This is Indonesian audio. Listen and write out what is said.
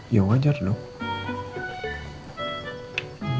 ya wajar dong